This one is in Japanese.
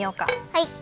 はい。